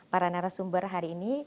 para narasumber hari ini